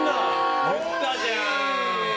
言ったじゃん！